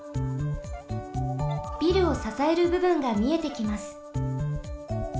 ビルをささえるぶぶんがみえてきます。